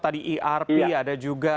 tadi irp ada juga